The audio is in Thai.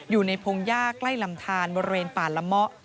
อยู่ในพงศ์ยากใกล้ลำทานบริเวณป่านละมะ